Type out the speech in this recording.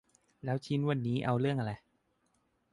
แล้วชิ้นวันนี้เอาเรื่องอะไร